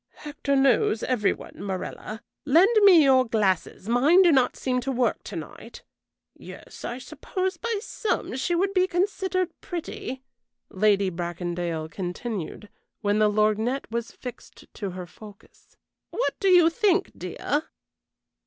"Hector knows every one, Morella. Lend me your glasses, mine do not seem to work to night. Yes, I suppose by some she would be considered pretty," Lady Bracondale continued, when the lorgnette was fixed to her focus. "What do you think, dear?"